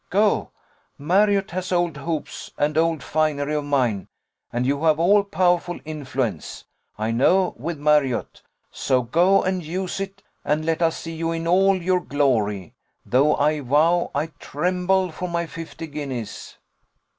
Go! Marriott has old hoops and old finery of mine, and you have all powerful influence, I know, with Marriott: so go and use it, and let us see you in all your glory though I vow I tremble for my fifty guineas."